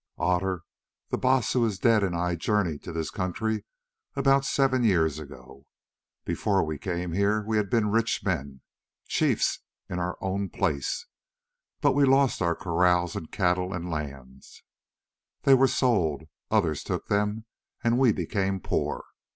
"Otter, the Baas who is dead and I journeyed to this country about seven years ago. Before we came here we had been rich men, chiefs in our own place, but we lost our kraals and cattle and lands; they were sold, others took them and we became poor.